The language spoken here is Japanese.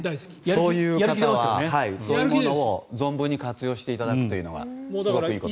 そういう方はそういうものを存分に活用していただくのはいいと思います。